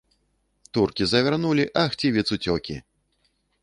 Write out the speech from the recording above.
Туркі завярнулі, а хцівец уцёкі!